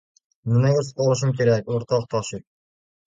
— Nimaga ruxsat olishim kerak, o‘rtoq Toship?